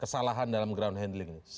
kesalahan dalam ground handling